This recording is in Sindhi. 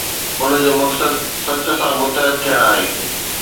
ان جو مقصد سچ سان متحد ٿيڻ آهي.